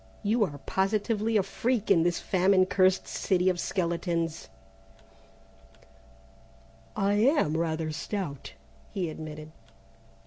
You are positively a freak in this famine cursed city of skeletons!" "I am rather stout," he admitted.